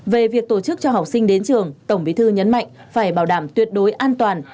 về việc tổ chức cho học sinh đến trường tổng bí thư nhấn mạnh phải bảo đảm tuyệt đối an toàn